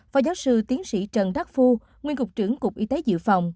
phó giáo sư tiến sĩ trần đắc phu nguyên cục trưởng cục y tế dự phòng